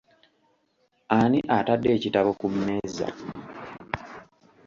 Ani atadde ekitabo ku mmeeza?